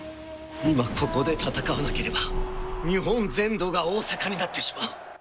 今、ここで戦わなければ日本全土が大阪になってしまう！